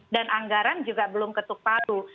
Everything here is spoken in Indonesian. dan anggaran juga belum ketuk patuh